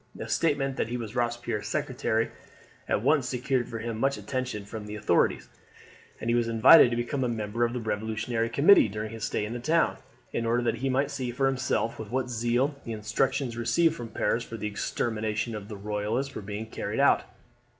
The statement that he was Robespierre's secretary at once secured for him much attention from the authorities, and he was invited to become a member of the Revolutionary Committee during his stay in the town, in order that he might see for himself with what zeal the instructions received from Paris for the extermination of the Royalists were being carried out.